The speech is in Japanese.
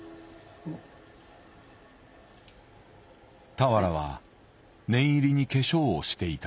俵は念入りに化粧をしていた。